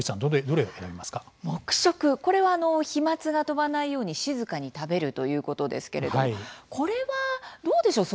これは飛まつが飛ばないように静かに食べるということですけれどもこれは、どうでしょう。